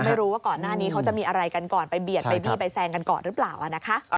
ก็ไม่รู้ว่าก่อนหน้านี้เขาจะมีอะไรกันก่อนหรือเปล่านะคะ